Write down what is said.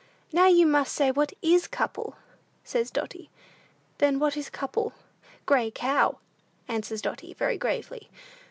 "Now you must say what is couple," says Dotty. "Then what is couple?" "Gray cow," answers Dotty, very gravely.